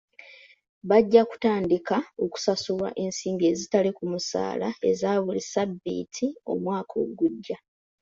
Bajja kutandika okusasulwa ensimbi ezitali ku musaala eza buli sabbiiti omwaka ogujja.